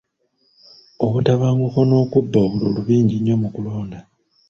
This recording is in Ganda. Obutabanguko n'okuba obululu bingi nnyo mu kulonda.